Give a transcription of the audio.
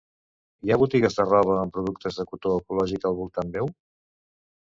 Hi ha botigues de roba amb productes de cotó ecològic al voltant meu?